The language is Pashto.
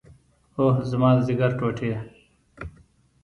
اوه زما د ځيګر ټوټې.